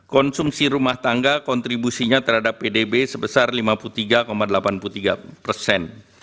konsumsi rumah tangga kontribusinya terhadap pdb sebesar lima puluh tiga delapan puluh tiga persen